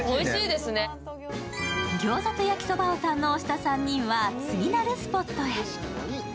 ギョーザと焼きそばを堪能した３人は、次なるスポットへ。